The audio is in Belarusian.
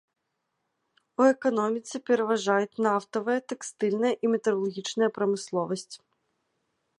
У эканоміцы пераважаюць нафтавая, тэкстыльная і металургічная прамысловасць.